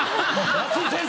夏井先生！